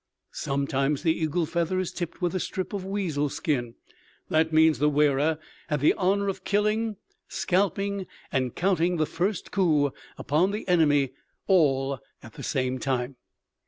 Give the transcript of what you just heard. Sometimes the eagle feather is tipped with a strip of weasel skin; that means the wearer had the honor of killing, scalping and counting the first coup upon the enemy all at the same time.